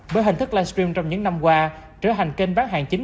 bởi hình thức livestream trong những năm qua trở thành kênh bán hàng chính